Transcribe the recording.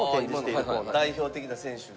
代表的な選手が。